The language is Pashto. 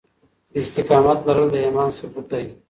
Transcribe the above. د استقامت لرل د ايمان ثبوت دی.